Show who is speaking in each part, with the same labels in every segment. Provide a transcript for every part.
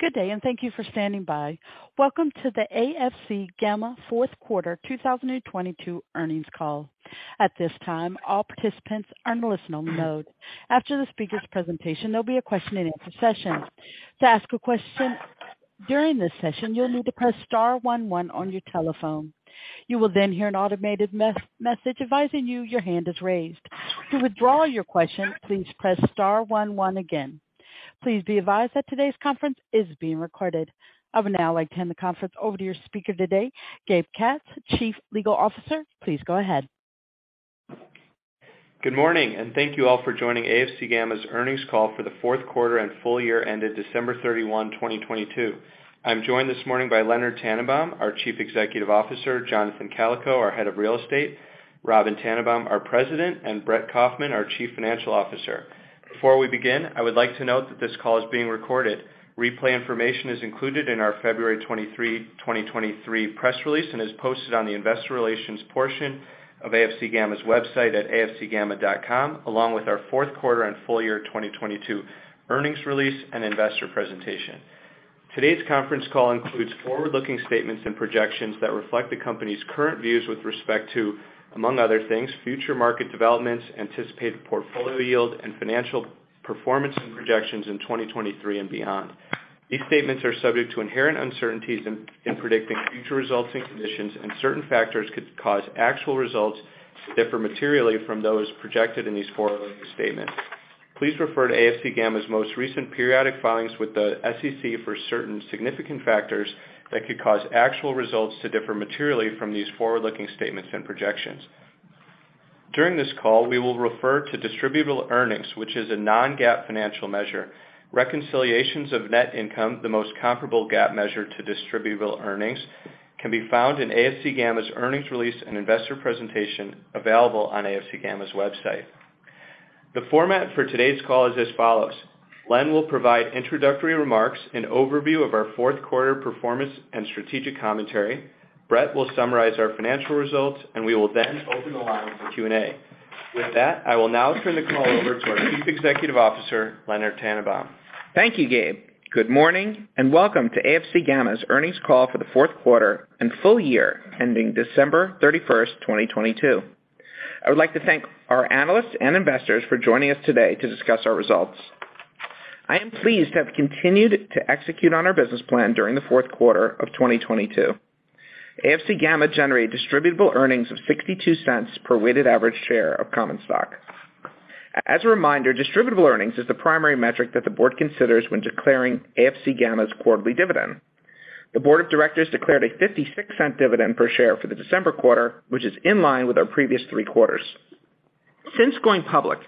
Speaker 1: Good day, and thank you for standing by. Welcome to the AFC Gamma fourth quarter 2022 earnings call. At this time, all participants are in listen-only mode. After the speaker's presentation, there'll be a question-and-answer session. To ask a question during this session, you'll need to press star one one on your telephone. You will then hear an automated message advising you your hand is raised. To withdraw your question, please press star one one again. Please be advised that today's conference is being recorded. I would now like to hand the conference over to your speaker today, Gabe Katz, Chief Legal Officer. Please go ahead.
Speaker 2: Good morning, and thank you all for joining AFC Gamma's earnings call for the fourth quarter and full year ended December 31, 2022. I'm joined this morning by Leonard Tannenbaum, our Chief Executive Officer, Jonathan Kalikow, our Head of Real Estate, Robyn Tannenbaum, our President, and Brett Kaufman, our Chief Financial Officer. Before we begin, I would like to note that this call is being recorded. Replay information is included in our February 23, 2023 press release and is posted on the investor relations portion of AFC Gamma's website at afcgamma.com, along with our fourth quarter and full year 2022 earnings release and investor presentation. Today's conference call includes forward-looking statements and projections that reflect the company's current views with respect to, among other things, future market developments, anticipated portfolio yield, and financial performance and projections in 2023 and beyond. These statements are subject to inherent uncertainties in predicting future results and conditions. Certain factors could cause actual results to differ materially from those projected in these forward-looking statements. Please refer to Advanced Flower Capital's most recent periodic filings with the SEC for certain significant factors that could cause actual results to differ materially from these forward-looking statements and projections. During this call, we will refer to Distributable Earnings, which is a non-GAAP financial measure. Reconciliations of net income, the most comparable GAAP measure to Distributable Earnings, can be found in Advanced Flower Capital's earnings release and investor presentation available on afcgamma.com. The format for today's call is as follows: Len will provide introductory remarks, an overview of our fourth quarter performance and strategic commentary. Brett will summarize our financial results, we will then open the line for Q&A. With that, I will now turn the call over to our Chief Executive Officer, Leonard Tannenbaum.
Speaker 3: Thank you, Gabe. Good morning, welcome to AFC Gamma's earnings call for the fourth quarter and full year ending December 31st, 2022. I would like to thank our analysts and investors for joining us today to discuss our results. I am pleased to have continued to execute on our business plan during the fourth quarter of 2022. AFC Gamma generated Distributable Earnings of $0.62 per weighted average share of common stock. As a reminder, Distributable Earnings is the primary metric that the board considers when declaring AFC Gamma's quarterly dividend. The board of directors declared a $0.56 dividend per share for the December quarter, which is in line with our previous three quarters. Since going public,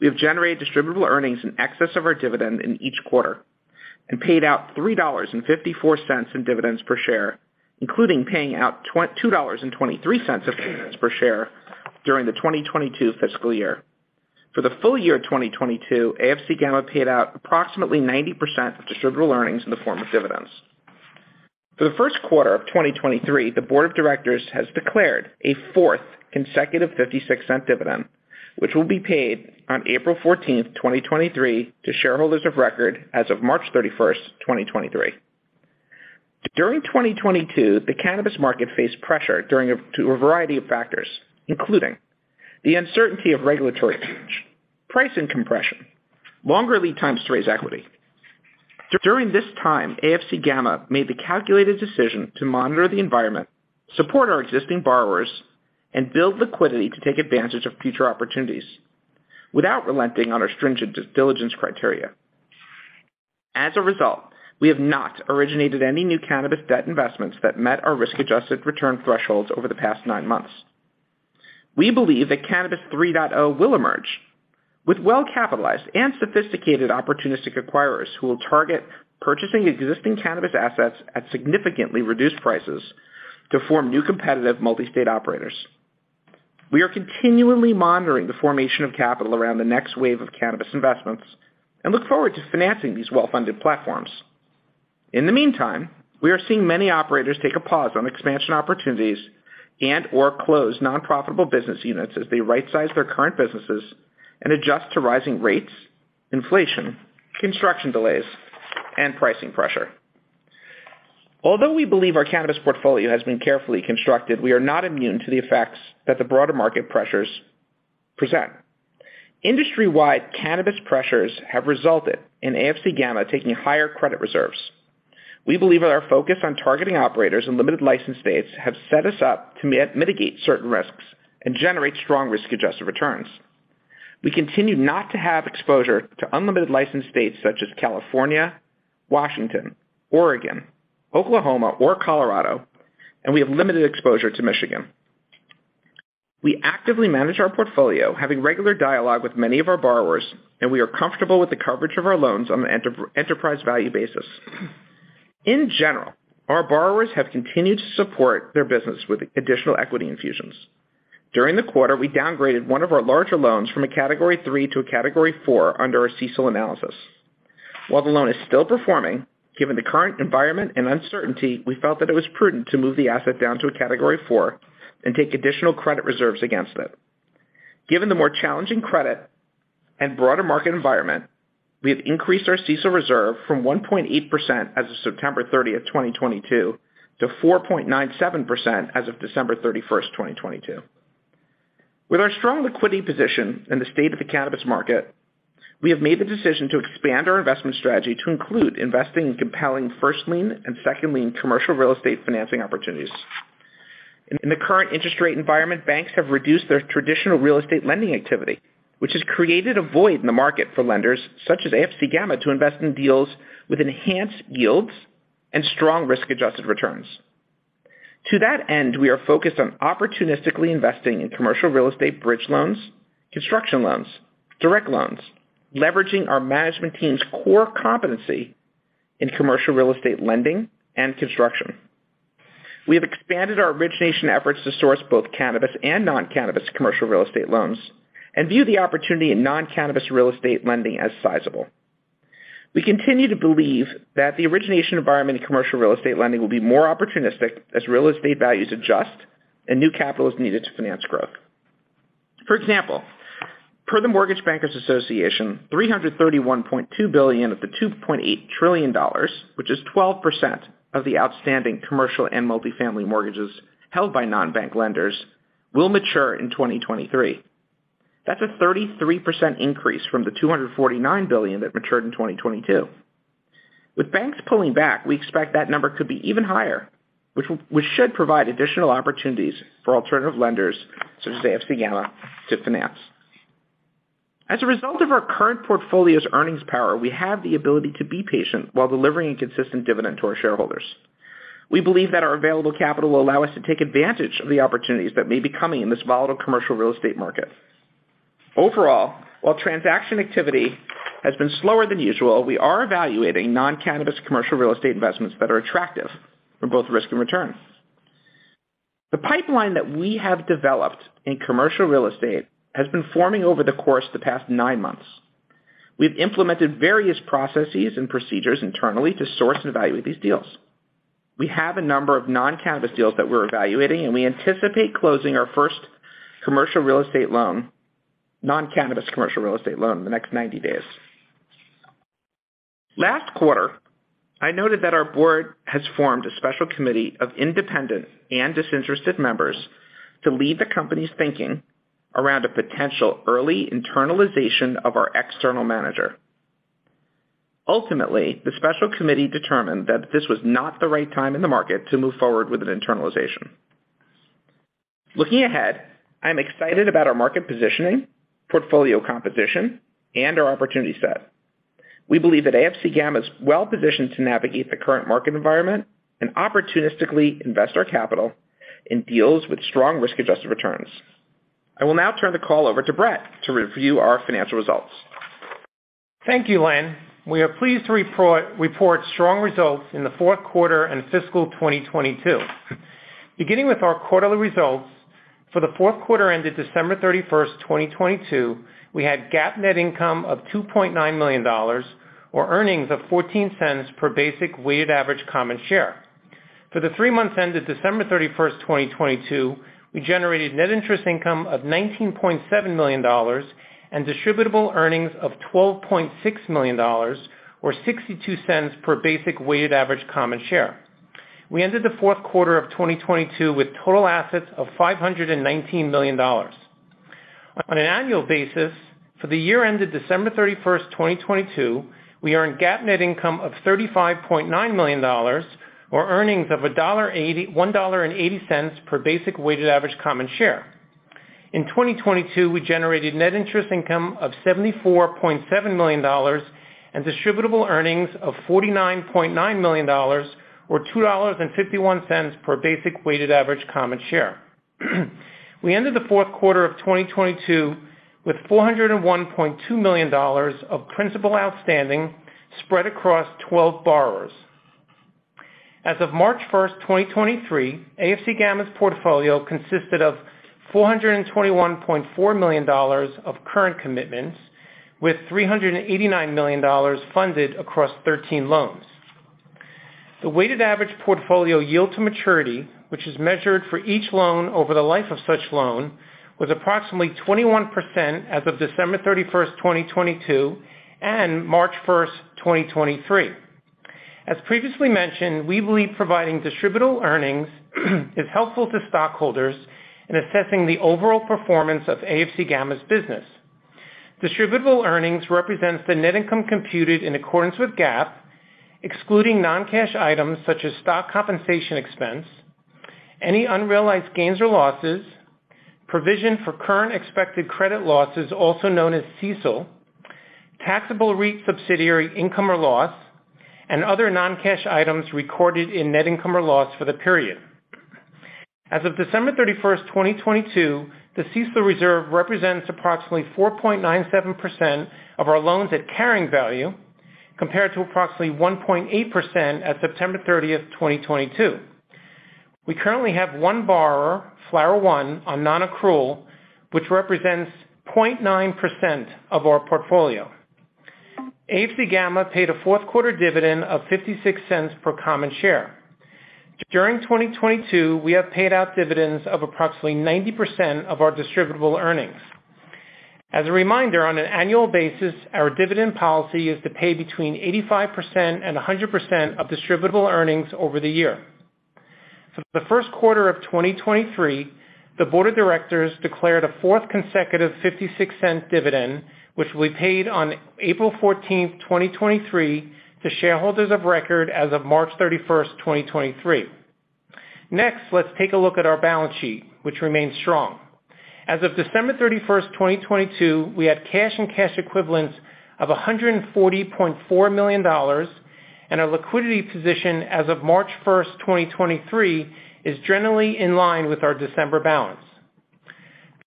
Speaker 3: we have generated Distributable Earnings in excess of our dividend in each quarter and paid out $3.54 in dividends per share, including paying out $2.23 of dividends per share during the 2022 fiscal year. For the full year 2022, AFC Gamma paid out approximately 90% of Distributable Earnings in the form of dividends. For the first quarter of 2023, the board of directors has declared a fourth consecutive $0.56 dividend, which will be paid on April 14th, 2023, to shareholders of record as of March 31st, 2023. During 2022, the cannabis market faced pressure to a variety of factors, including the uncertainty of regulatory change, price and compression, longer lead times to raise equity. During this time, AFC Gamma made the calculated decision to monitor the environment, support our existing borrowers, and build liquidity to take advantage of future opportunities without relenting on our stringent due diligence criteria. As a result, we have not originated any new cannabis debt investments that met our risk-adjusted return thresholds over the past nine months. We believe that Cannabis 3.0 will emerge with well-capitalized and sophisticated opportunistic acquirers who will target purchasing existing cannabis assets at significantly reduced prices to form new competitive multi-state operators. We are continually monitoring the formation of capital around the next wave of cannabis investments and look forward to financing these well-funded platforms. In the meantime, we are seeing many operators take a pause on expansion opportunities and or close non-profitable business units as they right-size their current businesses and adjust to rising rates, inflation, construction delays, and pricing pressure. Although we believe our cannabis portfolio has been carefully constructed, we are not immune to the effects that the broader market pressures present. Industry-wide cannabis pressures have resulted in AFC Gamma taking higher credit reserves. We believe that our focus on targeting operators in limited license states have set us up to mitigate certain risks and generate strong risk-adjusted returns. We continue not to have exposure to unlimited license states such as California, Washington, Oregon, Oklahoma, or Colorado, and we have limited exposure to Michigan. We actively manage our portfolio, having regular dialogue with many of our borrowers, and we are comfortable with the coverage of our loans on an enterprise value basis. In general, our borrowers have continued to support their business with additional equity infusions. During the quarter, we downgraded one of our larger loans from a Category Three to a Category Four under our CECL analysis. While the loan is still performing, given the current environment and uncertainty, we felt that it was prudent to move the asset down to a Category Four and take additional credit reserves against it. Given the more challenging credit and broader market environment, we have increased our CECL reserve from 1.8% as of September 30, 2022 to 4.97% as of December 31, 2022. With our strong liquidity position and the state of the cannabis market, we have made the decision to expand our investment strategy to include investing in compelling first lien and second lien commercial real estate financing opportunities. In the current interest rate environment, banks have reduced their traditional real estate lending activity, which has created a void in the market for lenders such as AFC Gamma to invest in deals with enhanced yields and strong risk-adjusted returns. To that end, we are focused on opportunistically investing in commercial real estate bridge loans, construction loans, direct loans, leveraging our management team's core competency in commercial real estate lending and construction. We have expanded our origination efforts to source both cannabis and non-cannabis commercial real estate loans and view the opportunity in non-cannabis real estate lending as sizable. We continue to believe that the origination environment in commercial real estate lending will be more opportunistic as real estate values adjust and new capital is needed to finance growth. For example, per the Mortgage Bankers Association, $331.2 billion of the $2.8 trillion, which is 12% of the outstanding commercial and multifamily mortgages held by non-bank lenders, will mature in 2023. That's a 33% increase from the $249 billion that matured in 2022. With banks pulling back, we expect that number could be even higher, which should provide additional opportunities for alternative lenders such as AFC Gamma to finance. As a result of our current portfolio's earnings power, we have the ability to be patient while delivering a consistent dividend to our shareholders. We believe that our available capital will allow us to take advantage of the opportunities that may be coming in this volatile commercial real estate market. Overall, while transaction activity has been slower than usual, we are evaluating non-cannabis commercial real estate investments that are attractive for both risk and return. The pipeline that we have developed in commercial real estate has been forming over the course of the past nine months. We've implemented various processes and procedures internally to source and evaluate these deals. We have a number of non-cannabis deals that we're evaluating, and we anticipate closing our first non-cannabis commercial real estate loan in the next 90 days. Last quarter, I noted that our board has formed a special committee of independent and disinterested members to lead the company's thinking around a potential early internalization of our external manager. Ultimately, the special committee determined that this was not the right time in the market to move forward with an internalization. Looking ahead, I'm excited about our market positioning, portfolio composition, and our opportunity set. We believe that AFC Gamma is well-positioned to navigate the current market environment and opportunistically invest our capital in deals with strong risk-adjusted returns. I will now turn the call over to Brett to review our financial results.
Speaker 4: Thank you, Len. We are pleased to report strong results in the fourth quarter and fiscal 2022. Beginning with our quarterly results, for the fourth quarter ended December 31st, 2022, we had GAAP net income of $2.9 million or earnings of $0.14 per basic weighted average common share. For the three months ended December 31st, 2022, we generated net interest income of $19.7 million and Distributable Earnings of $12.6 million or $0.62 per basic weighted average common share. We ended the fourth quarter of 2022 with total assets of $519 million. On an annual basis, for the year ended December 31st, 2022, we earned GAAP net income of $35.9 million or earnings of $1.80 per basic weighted average common share. In 2022, we generated net interest income of $74.7 million and Distributable Earnings of $49.9 million or $2.51 per basic weighted average common share. We ended the fourth quarter of 2022 with $401.2 million of principal outstanding spread across 12 borrowers. As of March 1st, 2023, AFC Gamma's portfolio consisted of $421.4 million of current commitments with $389 million funded across 13 loans. The weighted average portfolio yield to maturity, which is measured for each loan over the life of such loan, was approximately 21% as of December 31, 2022 and March 1, 2023. As previously mentioned, we believe providing Distributable Earnings is helpful to stockholders in assessing the overall performance of AFC Gamma's business. Distributable Earnings represents the net income computed in accordance with GAAP, excluding non-cash items such as stock compensation expense, any unrealized gains or losses, provision for current expected credit losses also known as CECL, taxable REIT subsidiary income or loss, and other non-cash items recorded in net income or loss for the period. As of December 31, 2022, the CECL reserve represents approximately 4.97% of our loans at carrying value, compared to approximately 1.8% at September 30, 2022. We currently have one borrower, Flower One, on non-accrual, which represents 0.9% of our portfolio. AFC Gamma paid a fourth quarter dividend of $0.56 per common share. During 2022, we have paid out dividends of approximately 90% of our Distributable Earnings. As a reminder, on an annual basis, our dividend policy is to pay between 85% and 100% of Distributable Earnings over the year. For the first quarter of 2023, the board of directors declared a fourth consecutive $0.56 dividend, which will be paid on April 14, 2023, to shareholders of record as of March 31, 2023. Next, let's take a look at our balance sheet, which remains strong. As of December 31, 2022, we had cash and cash equivalents of $140.4 million, and our liquidity position as of March 1, 2023, is generally in line with our December balance.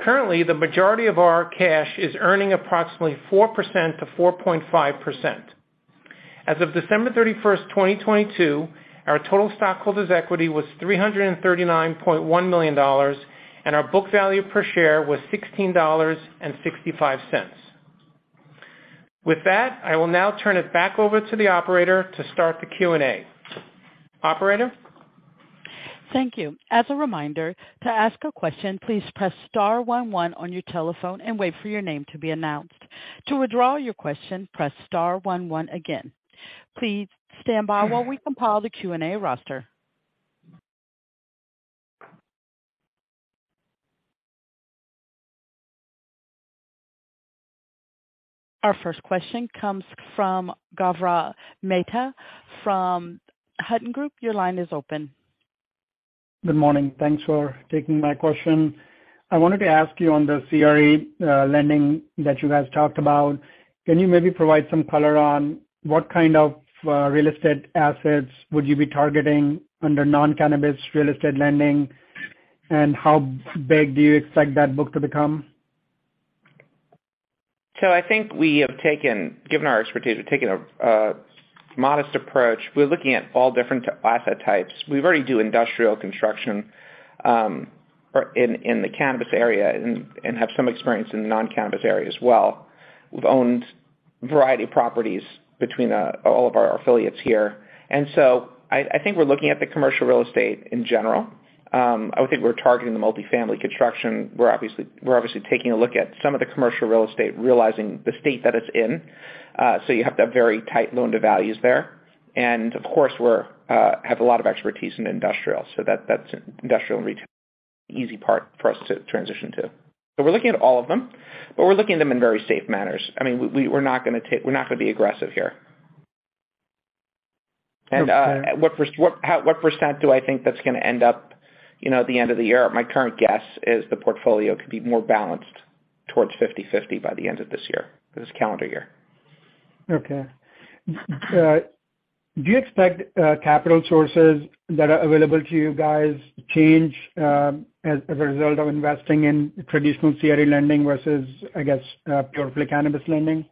Speaker 4: Currently, the majority of our cash is earning approximately 4%-4.5%. As of December 31, 2022, our total stockholders' equity was $339.1 million, and our book value per share was $16.65. With that, I will now turn it back over to the operator to start the Q&A. Operator?
Speaker 1: Thank you. As a reminder, to ask a question, please press star one one on your telephone and wait for your name to be announced. To withdraw your question, press star one one again. Please stand by while we compile the Q&A roster. Our first question comes from Gaurav Mehta from Ladenburg Thalmann. Your line is open.
Speaker 5: Good morning. Thanks for taking my question. I wanted to ask you on the CRE lending that you guys talked about, can you maybe provide some color on what kind of real estate assets would you be targeting under non-cannabis real estate lending? How big do you expect that book to become?
Speaker 3: I think we have taken, given our expertise, we've taken a modest approach. We're looking at all different asset types. We already do industrial construction, or in the cannabis area and have some experience in non-cannabis area as well. We've owned a variety of properties between all of our affiliates here. I think we're looking at the commercial real estate in general. I would think we're targeting the multifamily construction. We're obviously taking a look at some of the commercial real estate, realizing the state that it's in, so you have to have very tight loan devalues there. Of course, we're have a lot of expertise in industrial, so that's industrial and retail, easy part for us to transition to. we're looking at all of them, but we're looking at them in very safe manners. I mean, we're not gonna be aggressive here.
Speaker 5: Okay.
Speaker 3: What percent do I think that's gonna end up, you know, at the end of the year? My current guess is the portfolio could be more balanced towards 50/50 by the end of this year, this calendar year.
Speaker 5: Do you expect capital sources that are available to you guys change as a result of investing in traditional CRE lending versus, I guess, purely cannabis lending?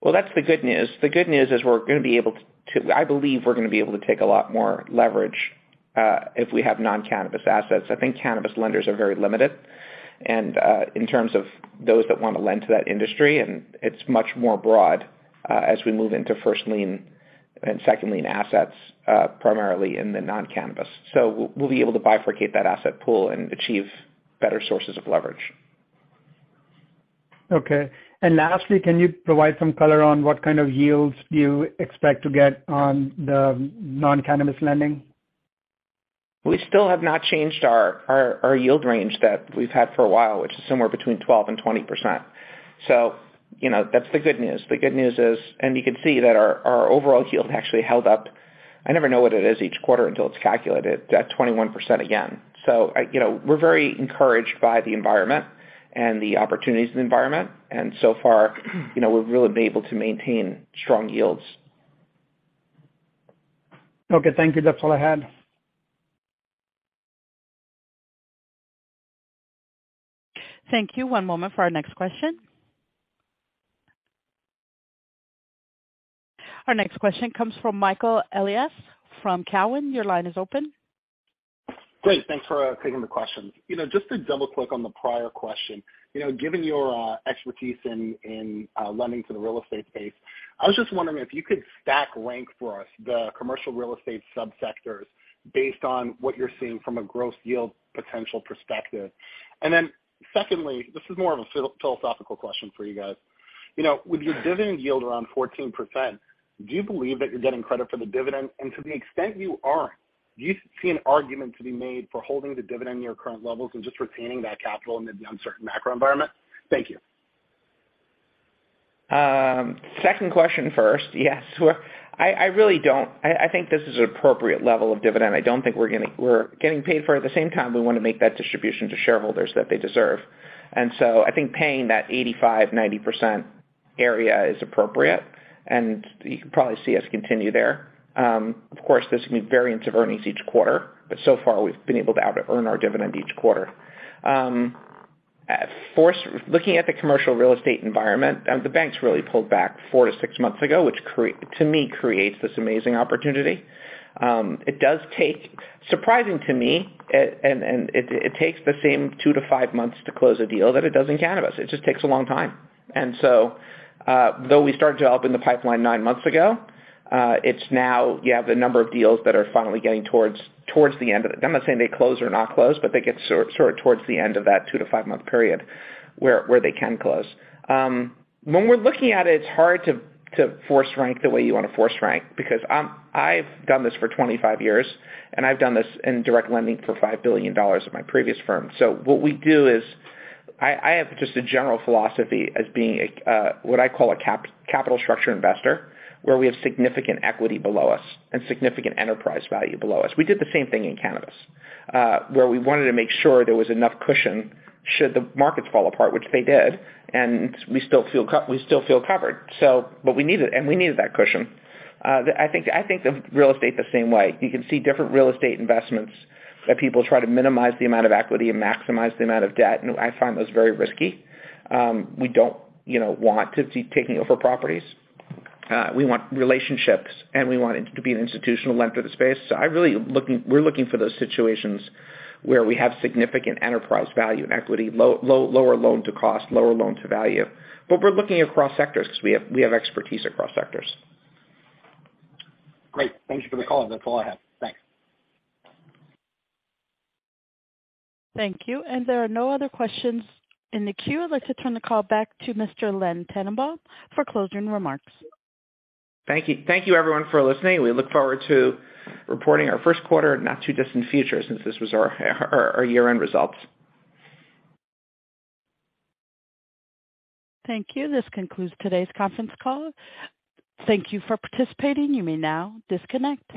Speaker 3: Well, that's the good news. The good news is I believe we're gonna be able to take a lot more leverage if we have non-cannabis assets. I think cannabis lenders are very limited and in terms of those that wanna lend to that industry, and it's much more broad as we move into first lien and second lien assets primarily in the non-cannabis. We'll be able to bifurcate that asset pool and achieve better sources of leverage.
Speaker 5: Okay. Lastly, can you provide some color on what kind of yields do you expect to get on the non-cannabis lending?
Speaker 3: We still have not changed our yield range that we've had for a while, which is somewhere between 12% and 20%. You know, that's the good news. The good news is. You could see that our overall yield actually held up. I never know what it is each quarter until it's calculated. At 21% again. You know, we're very encouraged by the environment and the opportunities in the environment, and so far, you know, we've really been able to maintain strong yields.
Speaker 5: Okay, thank you. That's all I had.
Speaker 1: Thank you. One moment for our next question. Our next question comes from Michael Elias from Cowen. Your line is open.
Speaker 6: Great. Thanks for taking the questions. You know, just to double-click on the prior question, you know, given your expertise in lending to the real estate space, I was just wondering if you could stack rank for us the commercial real estate subsectors based on what you're seeing from a gross yield potential perspective. Secondly, this is more of a philosophical question for you guys. You know, with your dividend yield around 14%, do you believe that you're getting credit for the dividend? To the extent you aren't, do you see an argument to be made for holding the dividend near current levels and just retaining that capital in the uncertain macro environment? Thank you.
Speaker 3: Second question first. Yes, I really don't. I think this is an appropriate level of dividend. I don't think we're getting paid for it. At the same time, we wanna make that distribution to shareholders that they deserve. I think paying that 85%-90% area is appropriate, and you can probably see us continue there. Of course, there's gonna be variance of earnings each quarter, but so far we've been able to outearn our dividend each quarter. Fourth, looking at the commercial real estate environment, the banks really pulled back four to six months ago, which to me, creates this amazing opportunity. It does take, surprising to me, and it takes the same two to five months to close a deal that it does in cannabis. It just takes a long time. So, though we started developing the pipeline nine months ago, it's now you have the number of deals that are finally getting towards the end of it. I'm not saying they close or not close, but they get sort of towards the end of that 2-5 month period where they can close. When we're looking at it's hard to force rank the way you wanna force rank because, I've done this for 25 years, and I've done this in direct lending for $5 billion at my previous firm. What we do is I have just a general philosophy as being a what I call a capital structure investor, where we have significant equity below us and significant enterprise value below us. We did the same thing in cannabis, where we wanted to make sure there was enough cushion should the markets fall apart, which they did, and we still feel covered. We needed that cushion. I think of real estate the same way. You can see different real estate investments that people try to minimize the amount of equity and maximize the amount of debt, and I find those very risky. We don't, you know, want to be taking over properties. We want relationships, and we want it to be an institutional lender to the space. We're looking for those situations where we have significant enterprise value and equity, lower loan to cost, lower loan to value. We're looking across sectors 'cause we have expertise across sectors. Great. Thank you for the call. That's all I have. Thanks.
Speaker 1: Thank you. There are no other questions in the queue. I'd like to turn the call back to Mr. Len Tannenbaum for closing remarks.
Speaker 3: Thank you. Thank you everyone for listening. We look forward to reporting our first quarter in the not too distant future since this was our year-end results.
Speaker 1: Thank you. This concludes today's conference call. Thank you for participating. You may now disconnect.